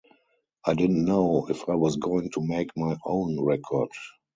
I didn't know if I was going to make my own record.